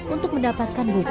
untuk mendapatkan buang